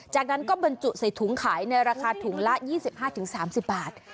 จากนั้นก็บรรจุใส่ถุงขายในราคาถุงละ๒๕๓๐บาท